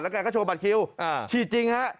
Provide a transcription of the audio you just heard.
แล้วก็โชคบัตรคิวฉีดจริงครับ